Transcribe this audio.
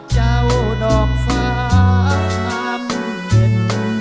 เจ้าดอกฟ้ามเห็ด